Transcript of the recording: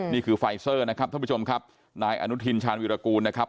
นี่คือไฟเซอร์นะครับท่านผู้ชมครับนายอนุทินชาญวิรากูลนะครับ